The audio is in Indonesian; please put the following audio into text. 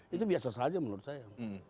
itu biasa saja menurut saya